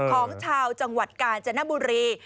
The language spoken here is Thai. ของชาวจังหวัดกาญจนบุรี